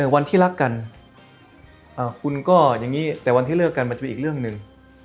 วันที่รักกันแต่วันที่เลือกกันมันจะเป็นอีกเรื่องหนึ่ง